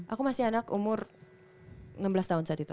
aku masih anak umur enam belas tahun saat itu